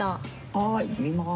「はい見ます」。